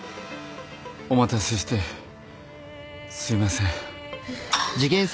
お待たせしてすいません。